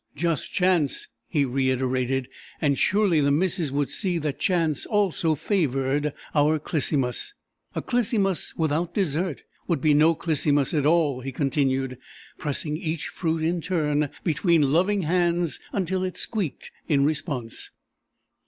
"Just chance," he reiterated, and surely the missus would see that chance also favoured our "Clisymus." "A Clisymus without dessert would be no Clisymus at all," he continued, pressing each fruit in turn between loving hands until it squeaked in response.